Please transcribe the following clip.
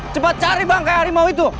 cepat cari bangkai harimau itu